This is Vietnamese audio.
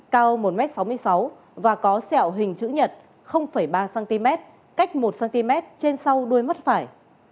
cao một m sáu mươi sáu và có sẹo hình chữ nhật ba cm cách một cm trên sau đuôi mắt phải